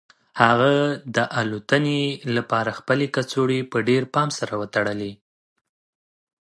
هغه د الوتنې لپاره خپلې کڅوړې په ډېر پام سره وتړلې.